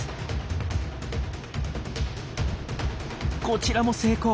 こちらも成功。